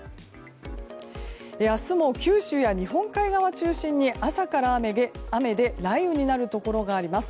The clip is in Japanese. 明日も九州や日本海側を中心に朝から雨で雷雨になるところがあります。